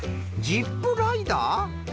ジップライダー？